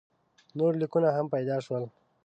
نور لیکونه هم پیدا شول.